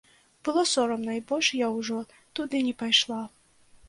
Было сорамна, і больш я ўжо туды не пайшла.